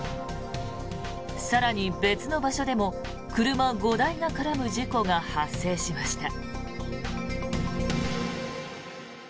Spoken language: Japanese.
更に、別の場所でも車５台が絡む事故が発生しました。